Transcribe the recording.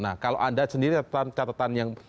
saya sendiri lihat sendiri catatan yang